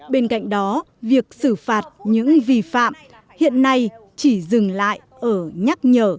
bên cạnh đó việc xử phạt những vi phạm hiện nay chỉ dừng lại ở nhắc nhở